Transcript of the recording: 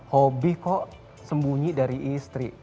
hobi kok sembunyi dari istri